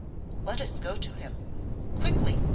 Let us go to him. Quickly!